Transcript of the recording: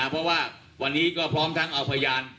เพราะว่าวันนี้ก็พร้อมทั้งเอาพยาน